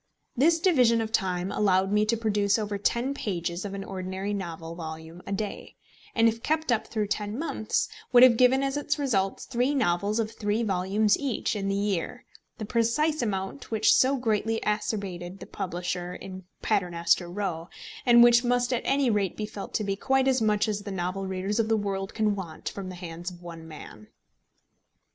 This division of time allowed me to produce over ten pages of an ordinary novel volume a day, and if kept up through ten months, would have given as its results three novels of three volumes each in the year; the precise amount which so greatly acerbated the publisher in Paternoster Row, and which must at any rate be felt to be quite as much as the novel readers of the world can want from the hands of one man.